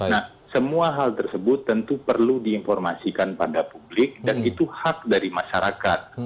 nah semua hal tersebut tentu perlu diinformasikan pada publik dan itu hak dari masyarakat